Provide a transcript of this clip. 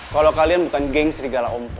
kalau kalian bukan geng serigala ompo